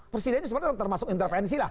presidennya sebenarnya termasuk intervensi